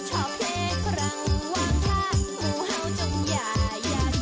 แต่ผมรักคุณนะแล้วว่าอะไร